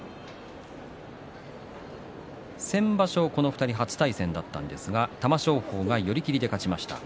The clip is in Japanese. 先場所、この２人初対戦だったんですが玉正鳳が寄り切りで勝ちました。